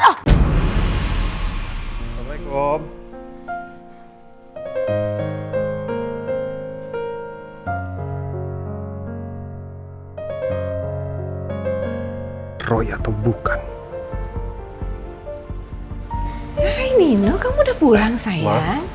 hai nino kamu udah pulang sayang